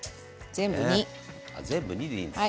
全部２でいいんです。